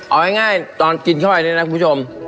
เอาง่ายตอนกินเข้าไปเนี่ยนะคุณผู้ชม